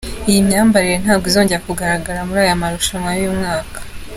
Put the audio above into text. Iyi myambarire ntabwo izongera kugaragara muri aya marushanwa uyu mwaka.